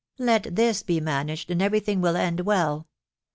• Let this be ^STMgpi^ and every thing will end well.